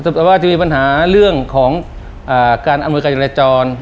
แบบว่าจะมีปัญหาเรื่องของการอำนวยการจราจร